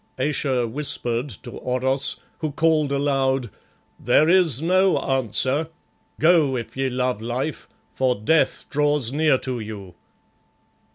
Ayesha whispered to Oros, who called aloud "There is no answer. Go, if ye love life, for death draws near to you."